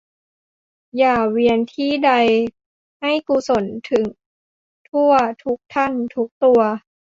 อย่าเวียนที่ใด ให้กุศลถึงทั่ว ทุกท่าน ทุกตัว